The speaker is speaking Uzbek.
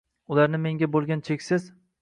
Ularni menga bo‘lgan cheksiz.